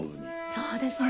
そうですね。